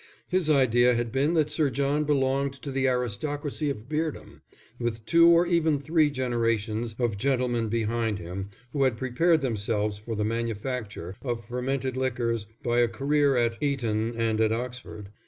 His idea had been that Sir John belonged to the aristocracy of beerdom, with two or even three generations of gentlemen behind him who had prepared themselves for the manufacture of fermented liquors by a career at Eton and at Oxford.